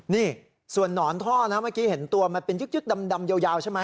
นี่ส่วนหนอนท่อนะเมื่อกี้เห็นตัวมันเป็นยึกดำยาวใช่ไหม